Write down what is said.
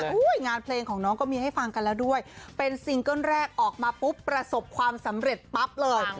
งานเพลงของน้องก็มีให้ฟังกันแล้วด้วยเป็นซิงเกิ้ลแรกออกมาปุ๊บประสบความสำเร็จปั๊บเลย